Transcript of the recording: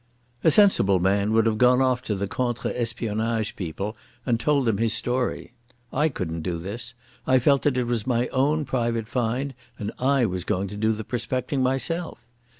A sensible man would have gone off to the contre espionage people and told them his story. I couldn't do this; I felt that it was my own private find and I was going to do the prospecting myself.